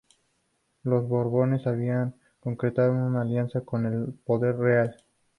Los Borbones habían concretado una alianza con el poder real.